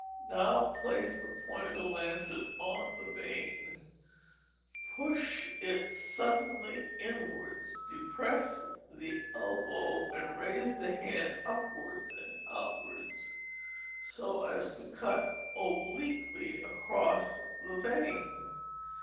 Now place the point of the lancet on the vein, push it suddenly inwards, depress the elbow, and raise the hand upwards and outwards, so as to cut obliquely across the vein.